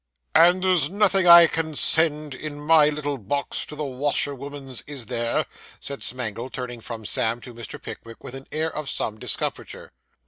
'And there's nothing I can send in my little box to the washer woman's, is there?' said Smangle, turning from Sam to Mr. Pickwick, with an air of some discomfiture.